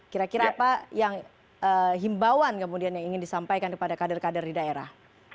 kira kira apa yang himbauan kemudian yang ingin disampaikan kepada kader kader di daerah